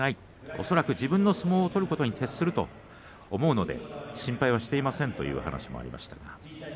恐らく自分の相撲を取ることに徹すると思うので心配はしていませんという話をしていました。